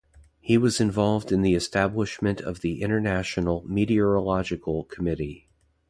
He was involved in the establishment of the International Meteorological Committee.